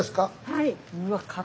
はい。